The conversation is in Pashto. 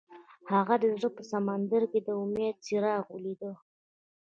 هغه د زړه په سمندر کې د امید څراغ ولید.